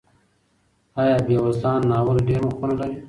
آیا بېوزلان ناول ډېر مخونه لري؟